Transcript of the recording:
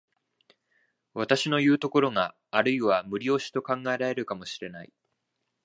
私のいう所があるいは無理押しと考えられるかも知れない。